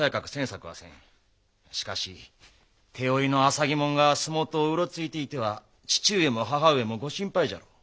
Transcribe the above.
しかし手負いの浅葱者が洲本をうろついていては父上も母上もご心配じゃろう。